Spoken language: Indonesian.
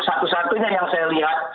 satu satunya yang saya lihat